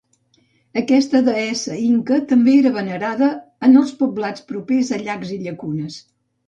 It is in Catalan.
Aquesta deessa inca també era venerada en els poblats propers a llacs i llacunes.